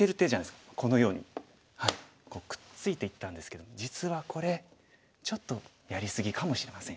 このようにこうくっついていったんですけども実はこれちょっとやり過ぎかもしれません。